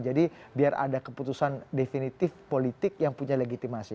jadi biar ada keputusan definitif politik yang punya legitimasi